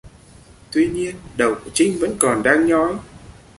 Tuy nhiên đầu của trinh vẫn còn đang nhói